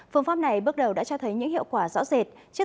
phương pháp này bước đầu đã cho thấy những hiệu quả rõ rệt